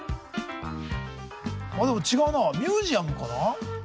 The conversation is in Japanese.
あっでも違うなミュージアムかな？